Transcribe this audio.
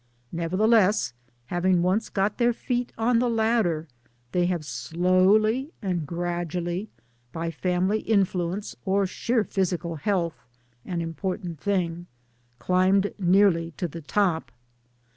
Nevertheless, having once got their feet on the ladder, they have slowly and gradually by family influence or sheer physical health (an important thing 1 ) climbed nearly to the top.